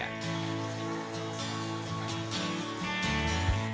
dari dukungan toto raharjo suaminya